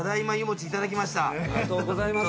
ありがとうございます。